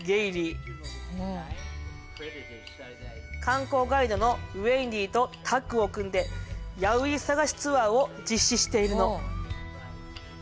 観光ガイドのウェンディーとタッグを組んでヤウイ探しツアーを実施しているの。